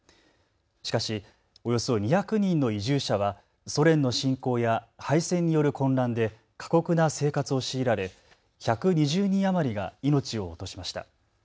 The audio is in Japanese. しかしおよそ２００人の移住者はソ連の侵攻や敗戦による混乱で過酷な生活を強いられ１２０人余りが命を落としました。